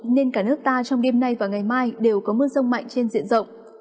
nên cả nước ta trong đêm nay và ngày mai đều có mưa rông mạnh trên diện rộng